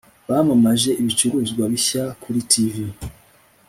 bamamaje ibicuruzwa bishya kuri tv